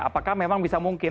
apakah memang bisa mungkin